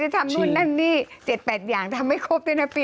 ทำไมทำไมได้